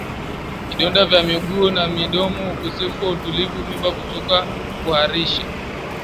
vidonda vya miguu na midomo ukosefu wa utulivu mimba kutoka kuharisha